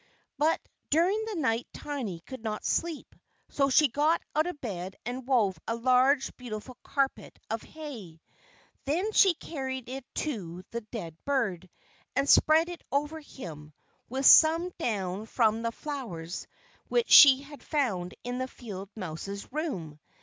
But during the night Tiny could not sleep; so she got out of bed and wove a large, beautiful carpet of hay. Then she carried it to the dead bird, and spread it over him, with some down from the flowers which she had found in the field mouse's room.